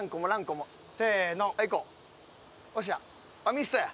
ミストや。